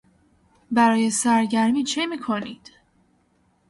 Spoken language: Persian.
برای سرگرمی چه میکنید؟